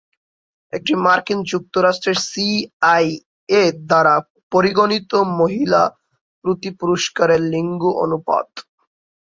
এটা মার্কিন যুক্তরাষ্ট্রের সি আই এ দ্বারা পরিগণিত মহিলা প্রতি পুরুষের লিঙ্গ অনুপাত।